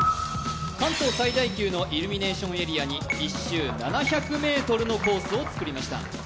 関東最大級のイルミネーションエリアに１周７００ｍのコースを造りました。